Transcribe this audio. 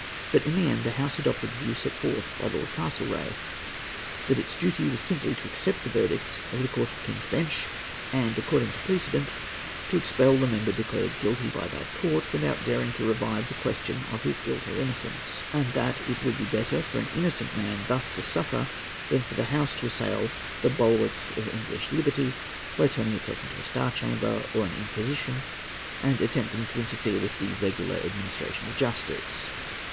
But in the end the House adopted the view set forth by Lord Castlereagh; that its duty was simply to accept the verdict of the Court of the King's Bench, and, according to precedent, to expel the member declared guilty by that court, without daring to revive the question of his guilt or innocence; and that it would be better for an innocent man thus to suffer, than for the House to assail "the bulwarks of English liberty," by turning itself into a Star Chamber, or an Inquisition, and attempting to interfere with "the regular administration of justice."